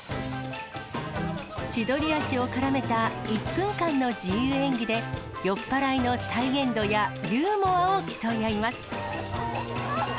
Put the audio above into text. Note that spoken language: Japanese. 千鳥足を絡めた１分間の自由演技で、酔っ払いの再現度やユーモアを競い合います。